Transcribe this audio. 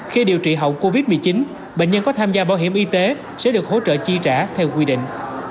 khi điều trị hậu covid một mươi chín bệnh nhân có tham gia bảo hiểm y tế sẽ được hỗ trợ chi trả theo quy định